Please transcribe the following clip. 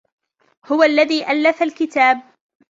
هو الذي ألف الكتاب.